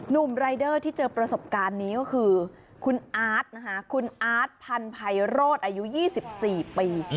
ุ่มรายเดอร์ที่เจอประสบการณ์นี้ก็คือคุณอาร์ตนะคะคุณอาร์ตพันธ์ภัยโรธอายุ๒๔ปี